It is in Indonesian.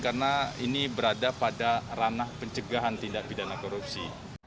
karena ini berada pada ranah pencegahan tindak pidana korupsi